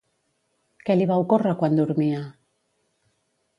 Què li va ocórrer quan dormia?